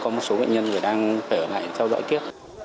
có một số bệnh nhân thì đang phải ở lại theo dõi tiếp